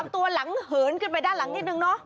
ตัวหลังเหินขึ้นไปด้านหลังนิดนึงเนอะ